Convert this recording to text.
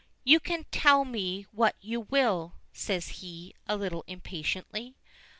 "You can tell me what you will," says he, a little impatiently.